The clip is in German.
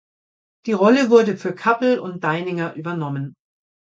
Die Rolle wurde für Kappl und Deininger übernommen.